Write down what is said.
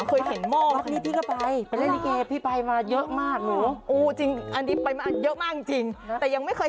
โอ้โฮแล้วได้ถูงอย่างนี้เลย